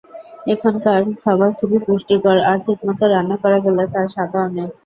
এখনকার খাবার খুবই পুষ্টিকর, আর ঠিকমতো রান্না করা গেলে তার স্বাদও অনেক।